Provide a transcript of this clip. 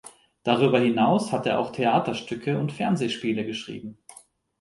Darüber hinaus hat er auch Theaterstücke und Fernsehspiele geschrieben.